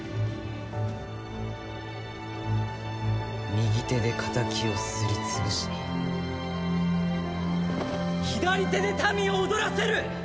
右手で敵をすり潰し左手で民を踊らせる！